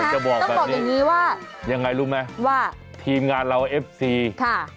แต่มันจะบอกแบบนี้ต้องบอกอย่างนี้ว่ายังไงรู้ไหมว่าทีมงานเราเอฟซีค่ะ